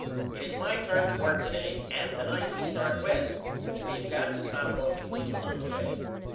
It is my turn to work to day and to night we start West but we have got to stop off at Cleveland on the way.